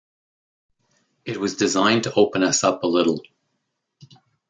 It was designed to open us up a little.